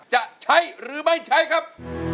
จะใช้หรือไม่ใช้ครับ